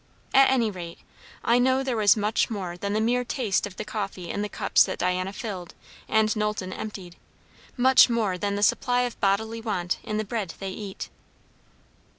At any rate, I know there was much more than the mere taste of the coffee in the cups that Diana filled and Knowlton emptied; much more than the supply of bodily want in the bread they eat.